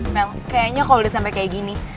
memang kayaknya kalau udah sampai kayak gini